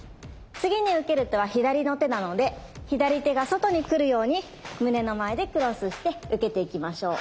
次に受ける手は左の手なので左手が外に来るように胸の前でクロスして受けていきましょう。